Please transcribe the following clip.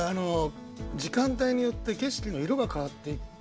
時間帯によって景色も色が変わっていって。